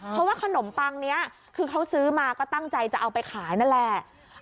เพราะว่าขนมปังนี้คือเขาซื้อมาก็ตั้งใจจะเอาไปขายนั่นแหละ